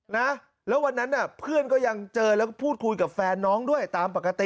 นะแล้ววันนั้นน่ะเพื่อนก็ยังเจอแล้วก็พูดคุยกับแฟนน้องด้วยตามปกติ